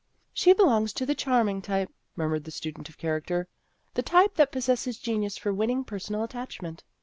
" She belongs to the charming type," murmured the student of character, " the type that possesses genius for winning personal attachment."